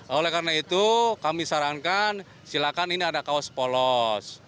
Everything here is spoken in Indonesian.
oleh karena itu kami sarankan silakan ini ada kaos polos